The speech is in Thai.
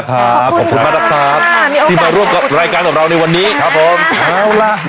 ขอบคุณมากนะครับที่มาร่วมกับรายการของเราในวันนี้ครับผมเอาล่ะ